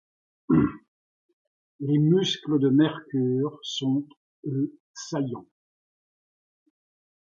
Les muscles de Mercure sont, eux, saillants.